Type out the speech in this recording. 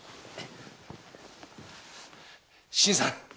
新さん！